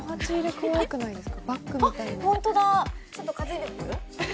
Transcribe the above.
かわいくないですか？